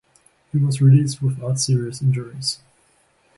He was released without serious injuries.